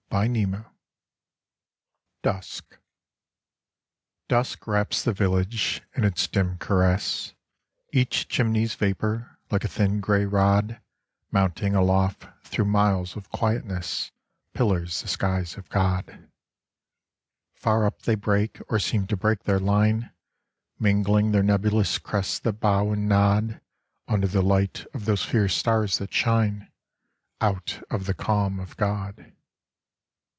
24 Quoit DUSK wraps the village in its dim caress ; Each chimney's vapour, like a thin grey rod, Mounting aloft through miles of quietness, Pillars the skies of God. Far up they break or seem to break their line, Mingling their nebulous crests that bow and nod Under the light of those fierce stars that shine Out of the calm of God.